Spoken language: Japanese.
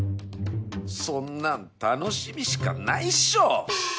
そんなん楽しみしかないっしょ！